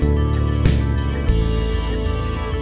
saat ini ankara memang mati